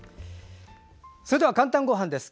それでは「かんたんごはん」です。